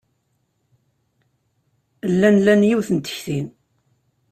Llan lan yiwet n tekti.